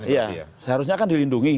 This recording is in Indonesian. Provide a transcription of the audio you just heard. ya harusnya kan dilindungi